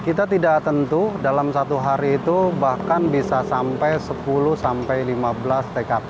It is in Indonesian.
kita tidak tentu dalam satu hari itu bahkan bisa sampai sepuluh sampai lima belas tkp